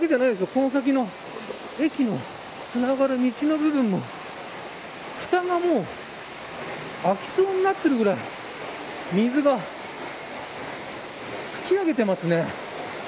この先の駅のつながる道の部分もふたが開きそうになっているぐらい水が噴き上げてますね。